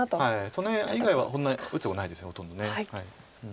その辺以外はそんなに打つとこないですほとんど。